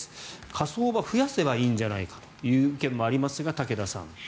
火葬場増やせばいいんじゃないかという意見もありますが、武田さん。